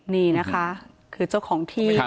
นี่นะคะคือเจ้าของที่